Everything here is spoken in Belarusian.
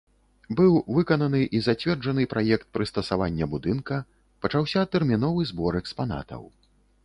Быў выкананы і зацверджаны праект прыстасавання будынка, пачаўся тэрміновы збор экспанатаў.